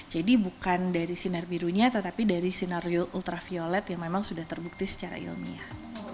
jadi bukan dari sinar birunya tetapi dari sinar uv yang memang sudah terbukti secara ilmiah